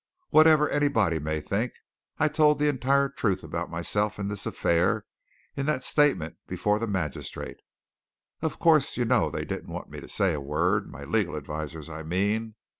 "Whatever anybody may think, I told the entire truth about myself and this affair in that statement before the magistrate. Of course, you know they didn't want me to say a word my legal advisers, I mean.